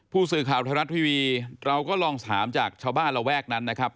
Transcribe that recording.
ผู้สื่อข่าวไทยรัฐทีวีเราก็ลองถามจากชาวบ้านระแวกนั้นนะครับ